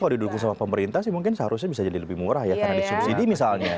kalau didukung sama pemerintah sih mungkin seharusnya bisa jadi lebih murah ya karena disubsidi misalnya